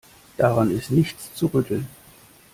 Daran ist nichts zu rütteln.